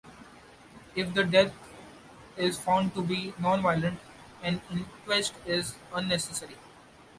If the death is found to be non-violent, an inquest is unnecessary.